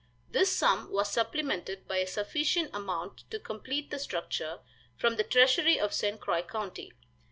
This sum was supplemented by a sufficient amount to complete the structure, from the treasury of St. Croix county.